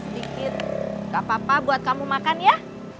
sisa sedikit tidak apa apa untuk kamu makan ya